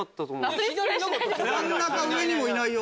真ん中上にもいないよ。